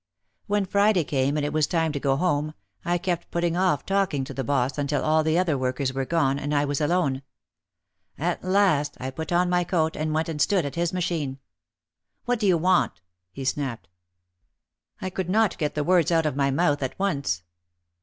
When Friday came and it was time to go home I kept putting off talking to the boss until all the other workers were gone and I was alone. At last I put on my coat and went and stood at his machine. "What do you want?" he snapped. I could not get the words out of my mouth at once.